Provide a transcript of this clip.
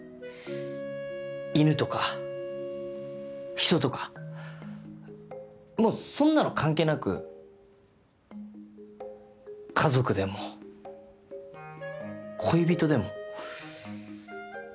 犬とか人とかもうそんなの関係なく家族でも恋人でも。